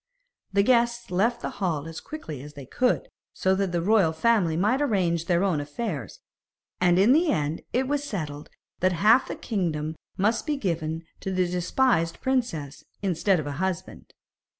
The guests left the hall as quickly as they could, so that the royal family might arrange their own affairs, and in the end it was settled that half the kingdom must be given to the despised princess, instead of a husband.